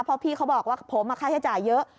เพราะพี่เขาบอกว่าผมค่าใช้จ่ายเยอะ